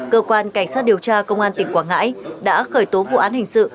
cơ quan cảnh sát điều tra công an tỉnh quảng ngãi đã khởi tố vụ án hình sự